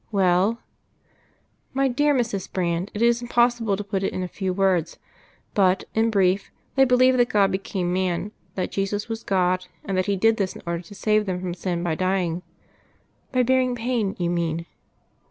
"Well?" "My dear Mrs. Brand, it is impossible to put it in a few words. But, in brief, they believe that God became man that Jesus was God, and that He did this in order to save them from sin by dying " "By bearing pain, you mean?"